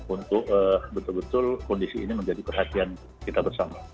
untuk betul betul kondisi ini menjadi perhatian kita bersama